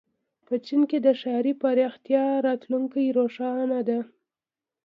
په چین کې د ښاري پراختیا راتلونکې روښانه ده.